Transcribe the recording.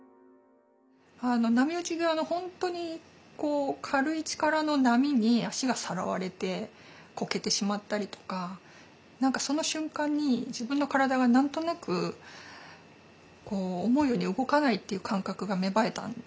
波打ち際の本当に軽い力の波に足がさらわれてこけてしまったりとか何かその瞬間に自分の体が何となく思うように動かないという感覚が芽生えたんですよね。